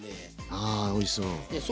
あおいしそう！